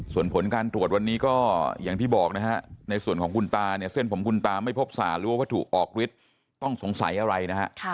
ส่วนผลการตรวจวันนี้ก็อย่างที่บอกนะฮะในส่วนของคุณตาเนี่ยเส้นผมคุณตาไม่พบสารหรือว่าวัตถุออกฤทธิ์ต้องสงสัยอะไรนะฮะ